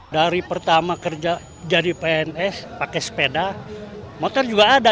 dari pertama kerja jadi pns pakai sepeda motor juga ada